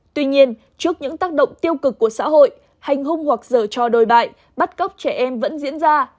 tuy nhiên trước những tác động tiêu cực của xã hội hành hung hoặc dờ cho đồi bại bắt cóc trẻ em vẫn diễn ra